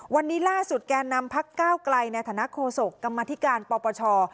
วันนี้ล่าสุดแกนำพักเก้าไกลในฐานะโคศกรรมพิธิการปฏิชนาปัชชร